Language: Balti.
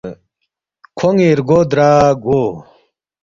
کھون٘ی رگو درا گو